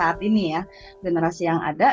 saat ini ya generasi yang ada